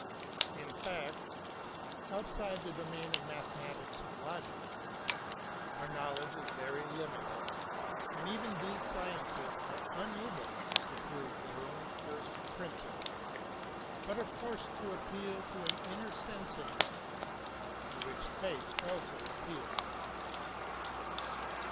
In fact, outside the domain of mathematics and logic, our knowledge is very limited, and even these sciences are unable to prove their own first principles, but are forced to appeal to an inner sense in man, to which faith also appeals.